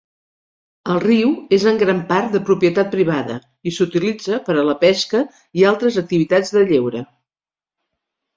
El riu és en gran part de propietat privada, i s'utilitza per a la pesca i altres activitats de lleure.